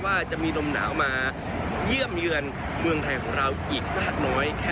ว่าจะมีดมหนาวมาเยื่อมเยื่อนเมืองไทยของเราอีกมากน้อยแค่ไหนนะครับ